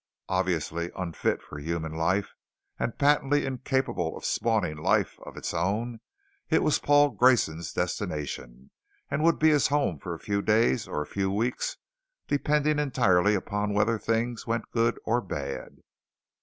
Obviously unfit for human life and patently incapable of spawning life of its own, it was Paul Grayson's destination, and would be his home for a few days or a few weeks depending entirely upon whether things went good or bad.